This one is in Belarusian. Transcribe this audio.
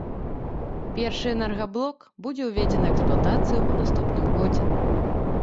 Першы энергаблок будзе ўведзены ў эксплуатацыю ў наступным годзе.